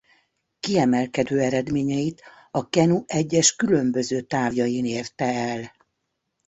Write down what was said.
Kiemelkedő eredményeit a kenu egyes különböző távjain érte el.